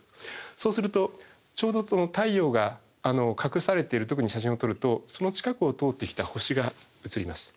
そうするとちょうど太陽が隠されてる時に写真を撮るとその近くを通ってきた星が写ります。